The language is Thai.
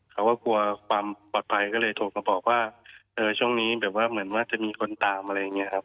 เขาก็กลัวความปลอดภัยก็เลยโทรมาบอกว่าช่วงนี้แบบว่าเหมือนว่าจะมีคนตามอะไรอย่างนี้ครับ